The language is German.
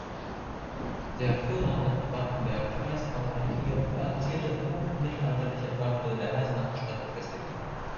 Der Flurname "Wartenberg" verweist auf eine hier platzierte hochmittelalterliche Warte der Eisenacher Stadtbefestigung.